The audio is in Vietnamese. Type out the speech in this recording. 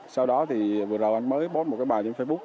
sau đó thì vừa đầu anh mới post một cái bài trên facebook